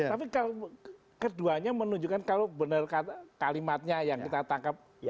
tapi keduanya menunjukkan kalau benar kalimatnya yang kita tangkap